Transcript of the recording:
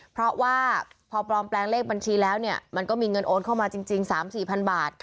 เพราะว่าพอปลอมแปลงเลขบัญชีแล้วเนี่ยมันก็มีเงินโอนเข้ามาจริง๓๔พันบาท